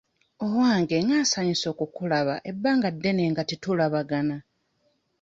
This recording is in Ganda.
Owange nga nsanyuse okukulaba bbanga ddene nga tetulabagana.